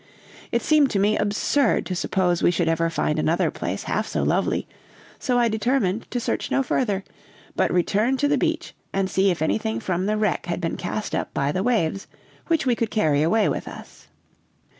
It seemed to me absurd to suppose we should ever find another place half so lovely, so I determined to search no further, but return to the beach and see if anything from the wreck had been cast up by the waves, which we could carry away with us.